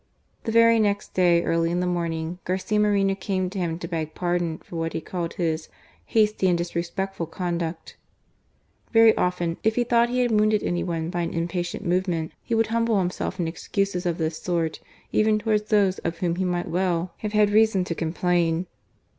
The very next day, early in the morning, Garcia Moreno came to him to beg pardon for what he called his "hasty and disrespectful conduct." Very often, if he thought he had wounded any one by an impatient movement, he would humble himself in THE MAN. 257 excuses of this sort even towards those of whom he might well have had reason to complain.